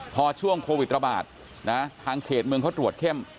พอช่วงโควิดระบาดนะทางเขตเมืองเขาตรวจเข้ม